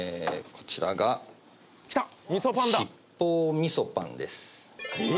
こちらが七宝みそパンですえ